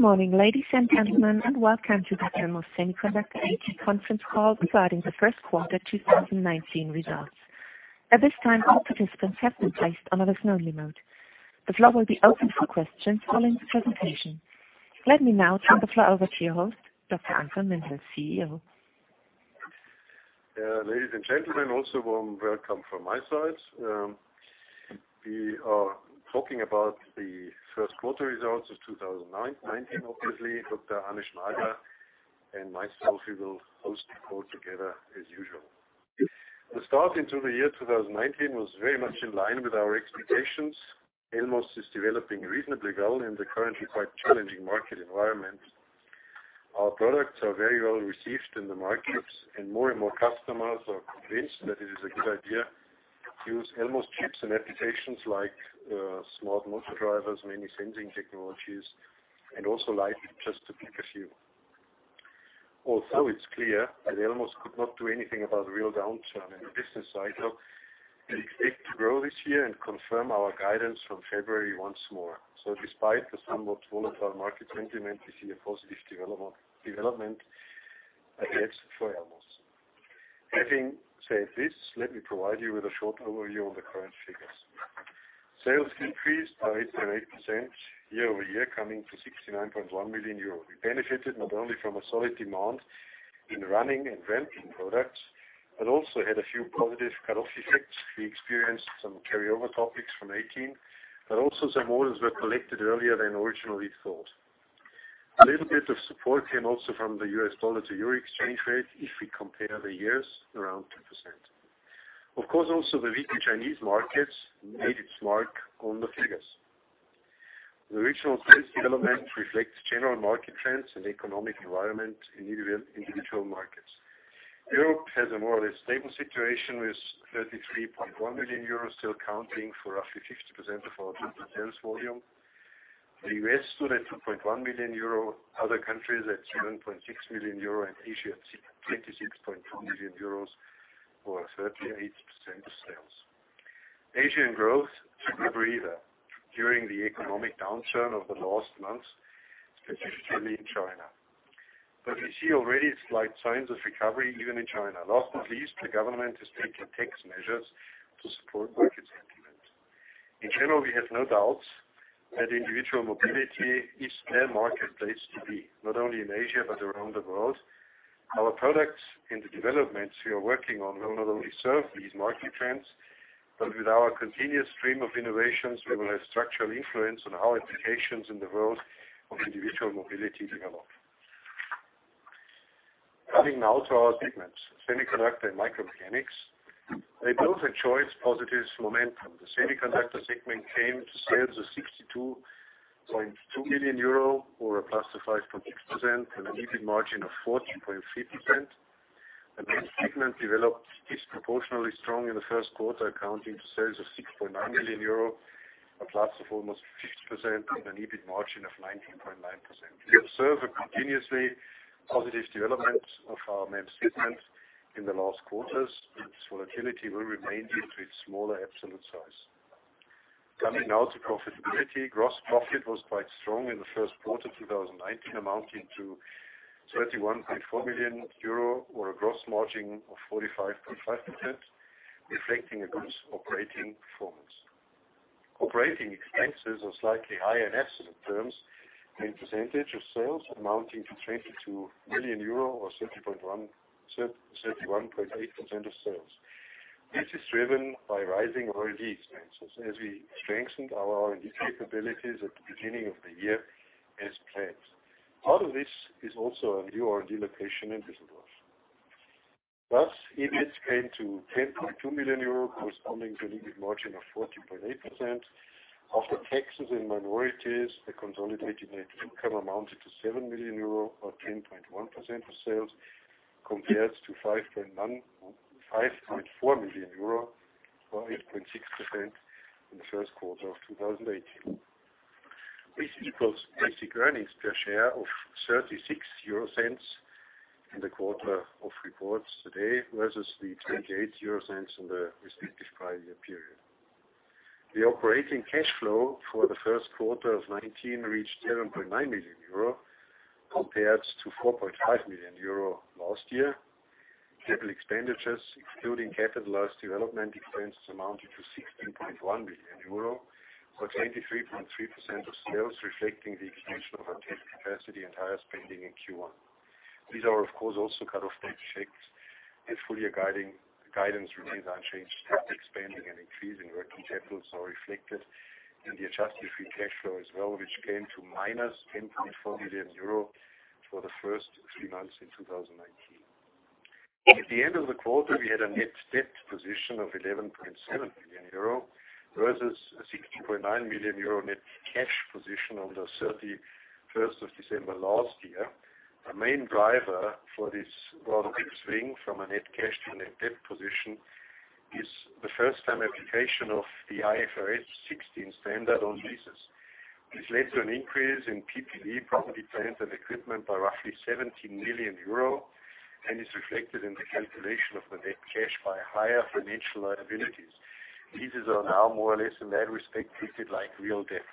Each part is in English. Good morning, ladies and gentlemen, and welcome to the Elmos Semiconductor AG conference call regarding the first quarter 2019 results. At this time, all participants have been placed on listen-only mode. The floor will be open for questions following the presentation. Let me now turn the floor over to your host, Dr. Anton Mindl, CEO. Ladies and gentlemen, also warm welcome from my side. We are talking about the first quarter results of 2019, obviously. Dr. Arne Schneider and myself, we will host the call together as usual. The start into the year 2019 was very much in line with our expectations. Elmos is developing reasonably well in the currently quite challenging market environment. Our products are very well received in the markets, and more and more customers are convinced that it is a good idea to use Elmos chips in applications like smart motor drivers, many sensing technologies, and also light, just to pick a few. Also, it's clear that Elmos could not do anything about the real downturn in the business cycle. We expect to grow this year and confirm our guidance from February once more. Despite the somewhat volatile market sentiment, we see a positive development, I guess, for Elmos. Having said this, let me provide you with a short overview of the current figures. Sales increased by 8.8% year-over-year, coming to 69.1 million euros. We benefited not only from a solid demand in running and ramping products, but also had a few positive cut-off effects. We experienced some carryover topics from 2018, but also some orders were collected earlier than originally thought. A little bit of support came also from the U.S. dollar to euro exchange rate, if we compare the years, around 2%. Of course, also the weaker Chinese markets made its mark on the figures. The regional sales development reflects general market trends and economic environment in individual markets. Europe has a more or less stable situation, with 33.1 million euros still accounting for roughly 50% of our total sales volume. The U.S. stood at 2.1 million euro, other countries at 7.6 million euro, and Asia at 26.2 million euros or 38% of sales. Asian growth took a breather during the economic downturn of the last months, especially in China. We see already slight signs of recovery even in China. Last but not least, the government has taken tax measures to support market sentiment. In general, we have no doubts that individual mobility is their marketplace to be, not only in Asia but around the world. Our products and the developments we are working on will not only serve these market trends, but with our continuous stream of innovations, we will have structural influence on how applications in the world of individual mobility develop. Coming now to our segments, Semiconductor and Micro Mechanics. They both show us positive momentum. The Semiconductor segment came to sales of 62.2 million euro or a plus of 5.6%, and an EBIT margin of 14.3%. The MEMS segment developed disproportionally strong in the first quarter, accounting to sales of 6.9 million euro, a plus of almost 50%, and an EBIT margin of 19.9%. We observe a continuously positive development of our MEMS segment in the last quarters. Its volatility will remain due to its smaller absolute size. Coming now to profitability. Gross profit was quite strong in the first quarter 2019, amounting to 31.4 million euro or a gross margin of 45.5%, reflecting a good operating performance. Operating expenses are slightly higher in absolute terms than percentage of sales amounting to 22 million euro or 31.8% of sales. This is driven by rising R&D expenses as we strengthened our R&D capabilities at the beginning of the year as planned. Part of this is also a new R&D location in Düsseldorf. Thus, EBIT came to 10.2 million euros, corresponding to an EBIT margin of 14.8%. After taxes and minorities, the consolidated net income amounted to 7 million euro or 10.1% of sales, compared to 5.4 million euro or 8.6% in the first quarter of 2018. This equals basic earnings per share of 0.36 in the quarter of reports today versus the 0.28 in the respective prior year period. The operating cash flow for the first quarter of 2019 reached 7.9 million euro compared to 4.5 million euro last year. Capital expenditures, excluding capitalized development expenses, amounted to 16.1 million euro or 23.3% of sales, reflecting the execution of our test capacity and higher spending in Q1. These are, of course, also cut-off effects as full-year guidance remains unchanged. Test expanding and increase in working capitals are reflected in the adjusted free cash flow as well, which came to minus 10.4 million euro for the first three months in 2019. At the end of the quarter, we had a net debt position of 11.7 million euro versus a 16.9 million euro net cash position on the 31st of December last year. A main driver for this broad flip swing from a net cash to a net debt position is the first-time application of the IFRS 16 standard on leases, which led to an increase in PPE, property, plant, and equipment, by roughly 17 million euro and is reflected in the calculation of the net cash by higher financial liabilities. Pieces are now more or less in that respect treated like real debt.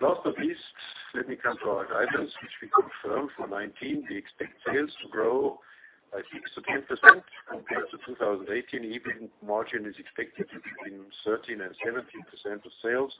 Last but not least, let me come to our guidance, which we confirm for 2019. We expect sales to grow by 6%-10% compared to 2018. EBIT margin is expected to be between 13% and 17% of sales.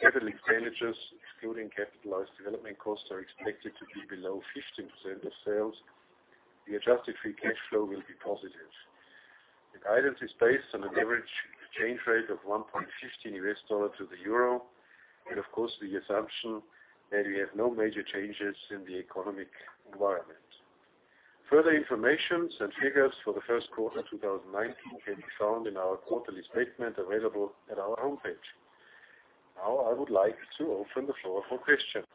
Capital expenditures, excluding capitalized development costs, are expected to be below 15% of sales. The adjusted free cash flow will be positive. The guidance is based on an average exchange rate of $1.15 US to the euro, and of course, the assumption that we have no major changes in the economic environment. Further informations and figures for the first quarter 2019 can be found in our quarterly statement available at our homepage. Now, I would like to open the floor for questions.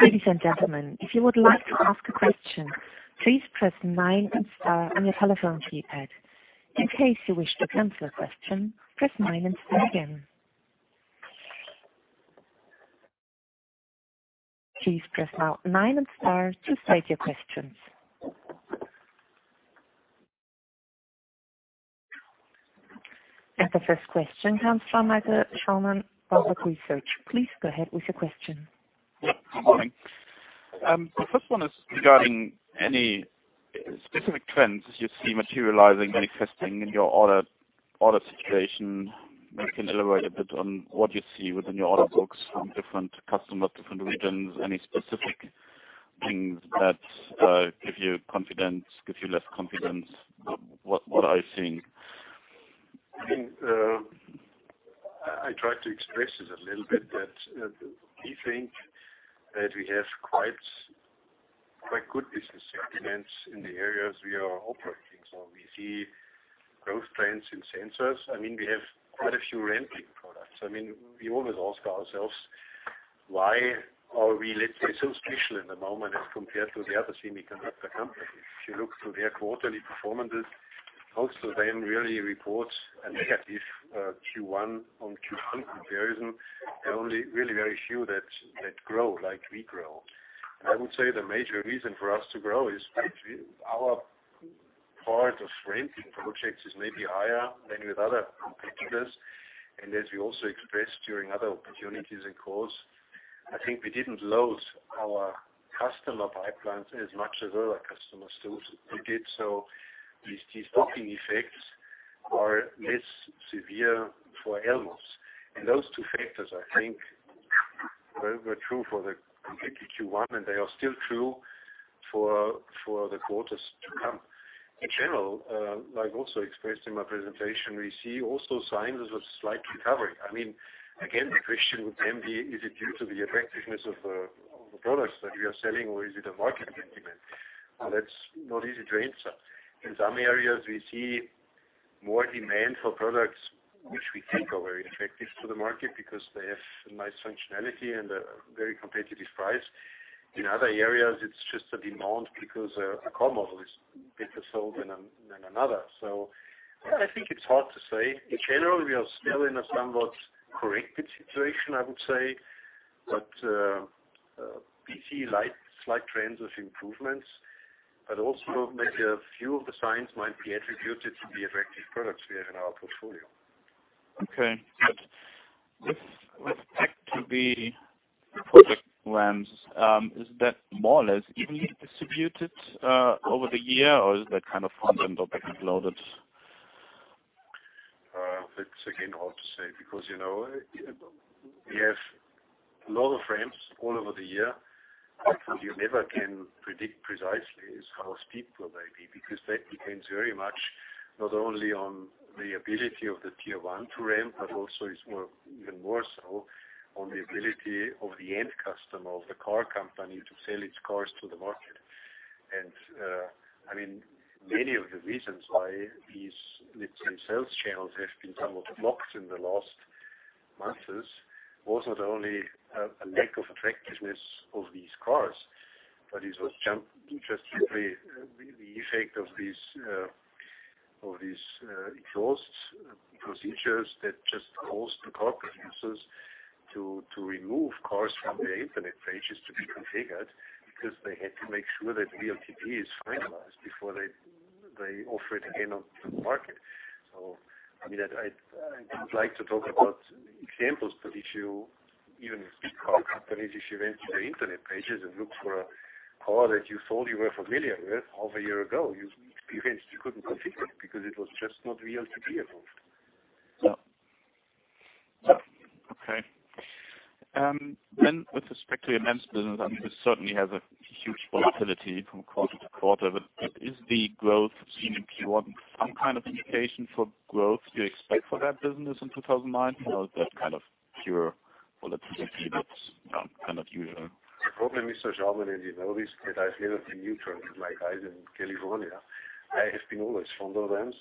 Ladies and gentlemen, if you would like to ask a question, please press nine and star on your telephone keypad. In case you wish to cancel a question, press nine and star again. Please press nine and star to state your questions. The first question comes from Malte Schaumann Warburg Research. Please go ahead with your question. Yeah. Good morning. The first one is regarding any specific trends you see materializing, manifesting in your order situation. Maybe you can elaborate a bit on what you see within your order books from different customer, different regions. Any specific things that give you confidence, give you less confidence? What are you seeing? I think I tried to express it a little bit that we think that we have quite good business sentiments in the areas we are operating. We see growth trends in sensors. We have quite a few ramping products. We always ask ourselves, why are we, let's say, so special at the moment as compared to the other semiconductor companies? If you look through their quarterly performances, most of them really report a negative Q1. On Q1 comparison, there are only very few that grow like we grow. I would say the major reason for us to grow is our part of ramping projects is maybe higher than with other competitors. As we also expressed during other opportunities and calls, I think we didn't load our customer pipelines as much as other customers did. These stocking effects are less severe for Elmos. Those two factors, I think, were true for the Q1, and they are still true for the quarters to come. In general, like also expressed in my presentation, we see also signs of slight recovery. Again, the question would then be, is it due to the attractiveness of the products that we are selling, or is it a market sentiment? That's not easy to answer. In some areas, we see more demand for products which we think are very attractive to the market because they have a nice functionality and a very competitive price. In other areas, it's just a demand because a car model is better sold than another. I think it's hard to say. In general, we are still in a somewhat corrected situation, I would say. We see slight trends of improvements, but also maybe a few of the signs might be attributed to the attractive products we have in our portfolio. With tech to be product ramps, is that more or less evenly distributed over the year, or is that kind of front-end or back-end loaded? That's again hard to say because we have a lot of ramps all over the year. What you never can predict precisely is how steep they'll be, because that depends very much not only on the ability of the tier 1 to ramp, but also is even more so on the ability of the end customer of the car company to sell its cars to the market. Many of the reasons why these same sales channels have been somewhat blocked in the last months was not only a lack of attractiveness of these cars, but it was interestingly the effect of these exhaust procedures that just caused the car producers to remove cars from their internet pages to be configured, because they had to make sure that WLTP is finalized before they offer it again on the market. I would like to talk about examples, but if you, even as car companies, if you went to their internet pages and looked for a car that you thought you were familiar with half a year ago, you experienced you couldn't configure it because it was just not WLTP approved. Okay. With respect to your MEMS business, this certainly has a huge volatility from quarter to quarter. Is the growth seen in Q1 some kind of indication for growth you expect for that business in 2019, or is that kind of pure volatility that's kind of usual? The problem is, so Schaumann, and you know this, that I've never been neutral with my guys in California. I have been always fond of them.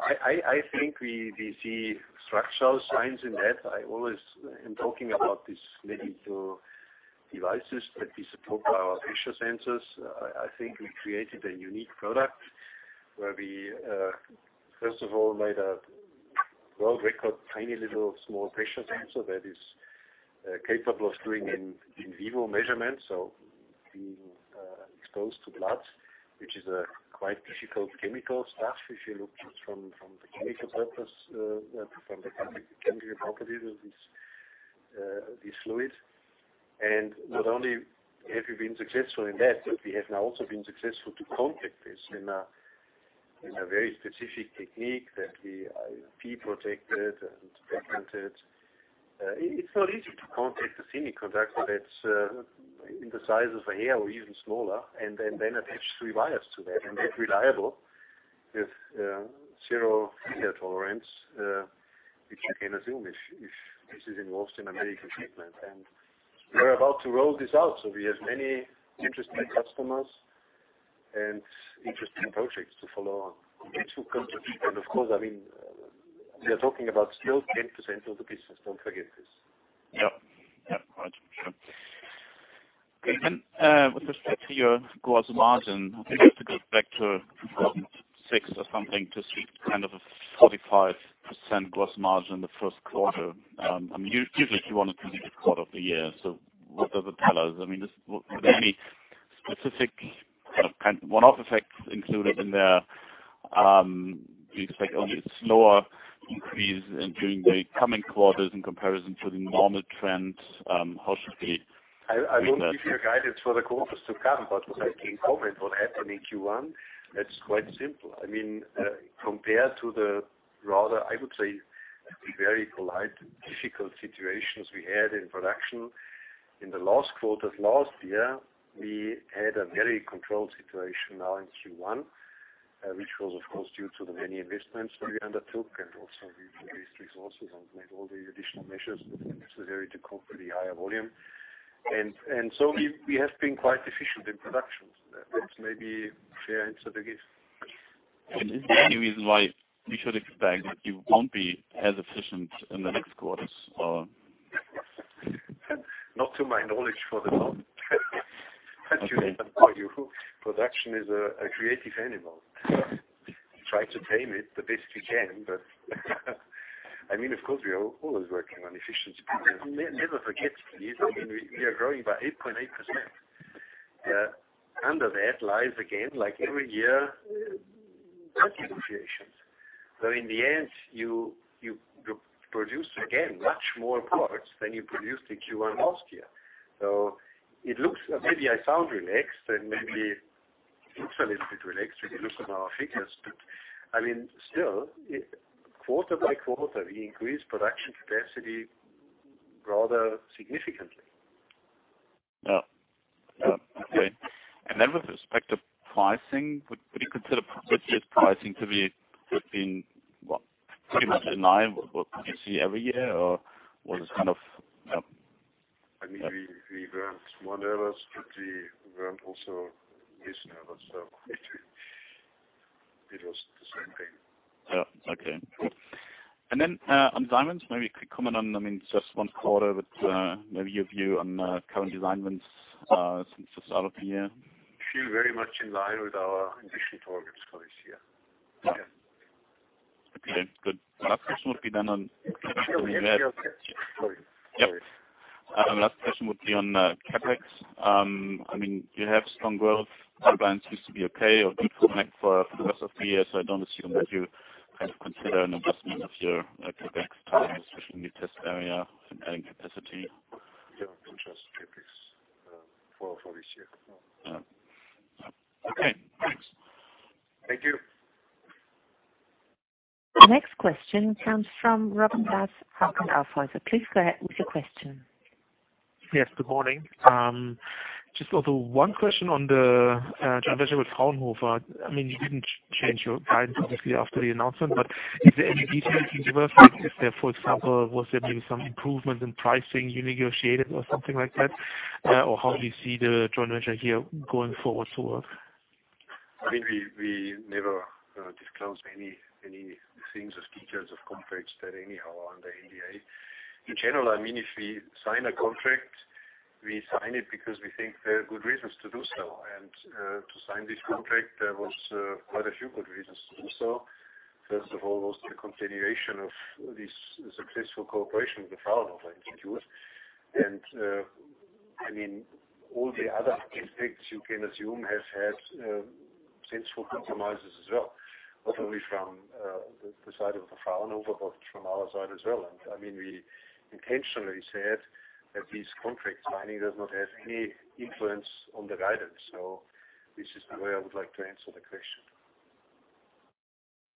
I think we see structural signs in that. I always am talking about these medical devices that we support by our pressure sensors. I think we created a unique product where we, first of all, made a world record, tiny little small pressure sensor that is capable of doing an in vivo measurement, so being exposed to blood, which is a quite difficult chemical stuff if you look just from the chemical purpose, from the chemical properties of this fluid. Not only have we been successful in that, but we have now also been successful to contact this in a very specific technique that we IP protected and patented. It's not easy to contact a semiconductor that's in the size of a hair or even smaller and then attach three wires to that and make reliable with zero failure tolerance, which you can assume if this is involved in a medical treatment. We're about to roll this out. We have many interesting customers and interesting projects to follow on. In two countries. Of course, we are talking about still 10% of the business. Don't forget this. Yeah. Right. Sure. With respect to your gross margin, I think if you go back to 2006 or something to see kind of a 45% gross margin in the first quarter. Usually, Q1 is the weakest quarter of the year. What are the drivers? Were there any specific kind of one-off effects included in there? Do you expect only a slower increase during the coming quarters in comparison to the normal trends? How should we? I won't give you a guidance for the quarters to come, but I can comment what happened in Q1. That's quite simple. Compared to the rather, I would say, to be very polite, difficult situations we had in production in the last quarters last year, we had a very controlled situation now in Q1, which was, of course, due to the many investments that we undertook and also we released resources and made all the additional measures necessary to cope with the higher volume. So we have been quite efficient in production. That's maybe a fair answer, I guess. Is there any reason why we should expect that you won't be as efficient in the next quarters or? Not to my knowledge for the moment. Okay. As you know, production is a creative animal. We try to tame it the best we can, but of course, we are always working on efficiency. Never forget, please, we are growing by 8.8%. Under that lies again, like every year, production variations. In the end, you produce again much more products than you produced in Q1 last year. Maybe I sound relaxed and maybe it's a little bit relaxed if you look at our figures, but still, quarter by quarter, we increase production capacity rather significantly. Okay. With respect to pricing, would you consider profit pricing to be between, what, pretty much in line with what you see every year, or was it kind of Yeah. We went one level, but we went also this level. It was the same thing. Okay. Cool. On design wins, maybe a quick comment on, just one quarter, but maybe your view on current design wins since the start of the year. feel very much in line with our initial targets for this year. Okay. Good. My last question would be. Sorry. Yep. Last question would be on CapEx. You have strong growth. Top line seems to be okay or good for the rest of the year, I don't assume that you kind of consider an investment of your CapEx plans, especially in the test area and adding capacity. Yeah. No plans, CapEx, for this year. No. Yeah. Okay, thanks. Thank you. The next question comes from Robin Brass, Hauck & Aufhäuser. Please go ahead with your question. Yes, good morning. Just also one question on the joint venture with Fraunhofer. You didn't change your guidance, obviously, after the announcement, is there any detail you can give us, like if there, for example, was there maybe some improvement in pricing you negotiated or something like that? How do you see the joint venture here going forward to work? We never disclose any things as details of contracts that anyhow are under NDA. In general, if we sign a contract, we sign it because we think there are good reasons to do so. To sign this contract, there was quite a few good reasons to do so. First of all, it was the continuation of this successful cooperation with the Fraunhofer Institute. All the other aspects you can assume have had sensible compromises as well, not only from the side of the Fraunhofer, but from our side as well. We intentionally said that this contract signing does not have any influence on the guidance. This is the way I would like to answer the question.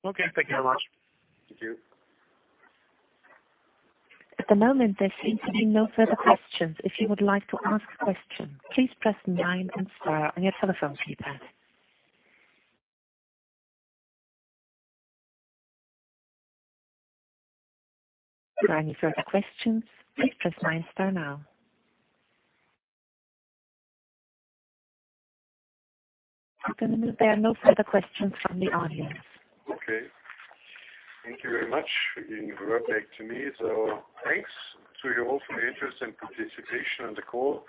Okay. Thank you very much. Thank you. At the moment, there seem to be no further questions. If you would like to ask a question, please press nine and star on your telephone keypad. Are there any further questions? Please press nine and star now. Thalea, there are no further questions from the audience. Okay. Thank you very much for giving the floor back to me. Thanks to you all for your interest and participation on the call.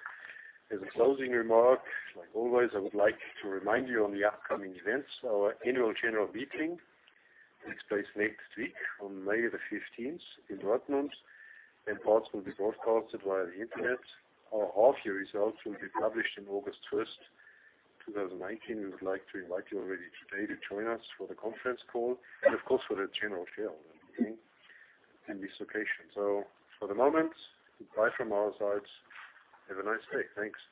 As a closing remark, like always, I would like to remind you on the upcoming events. Our annual general meeting takes place next week on May the 15th in Dortmund, and parts will be broadcasted via the internet. Our half year results will be published on August 1st, 2019. We would like to invite you already today to join us for the conference call and of course, for the general shareowner meeting on this occasion. For the moment, goodbye from our sides. Have a nice day. Thanks.